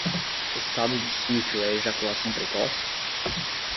Estado de sítio é ejaculação precoce?